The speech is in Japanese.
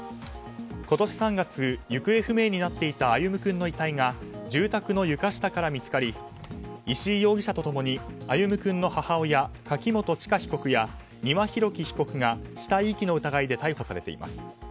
今年３月、行方不明になっていた歩夢君の遺体が住宅の床下から見つかり石井容疑者と共に歩夢君の母親柿本知香被告や丹羽洋樹被告が死体遺棄の疑いで逮捕されています。